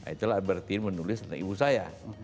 itulah berarti menulis tentang ibu saya